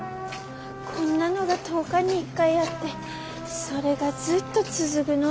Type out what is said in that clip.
こんなのが１０日に１回あってそれがずっと続ぐの？